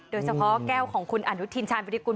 โดยเฉพาะแก้วของคุณอนุทินชาญวิริกุล